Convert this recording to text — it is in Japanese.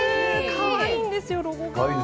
かわいいんですよ、ロゴが。